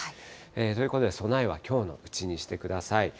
ということで備えはきょうのうちにしてください。